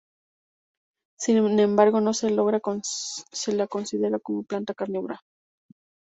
Sin embargo no se la considera como planta carnívora